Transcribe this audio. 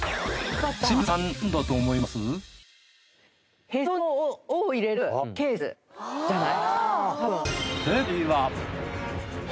清水さん何だと思います？じゃない？